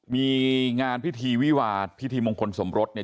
มีงานพิธีวิวาพิธีมงคลสมรสเนี่ย